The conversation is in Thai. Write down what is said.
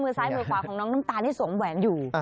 ซ้ายมือขวาของน้องน้ำตาลนี่สวมแหวนอยู่